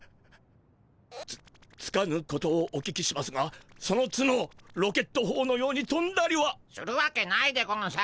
つっつかぬことをお聞きしますがその角ロケットほうのようにとんだりは？するわけないでゴンス。